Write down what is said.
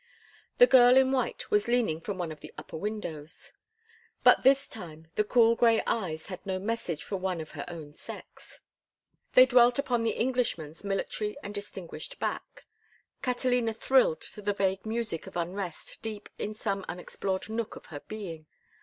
The girl in white was leaning from one of the upper windows. But this time the cool gray eyes had no message for one of her own sex. They dwelt upon the Englishman's military and distinguished back. Catalina thrilled to the vague music of unrest deep in some unexplored nook of her being.